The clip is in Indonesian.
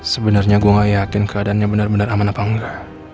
sebenernya gua gak yakin keadaannya bener bener aman apa engga